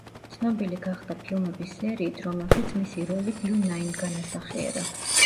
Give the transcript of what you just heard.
ცნობილი გახდა ფილმების სერიით, რომელშიც მისი როლი ბილ ნაიმ განასახიერა.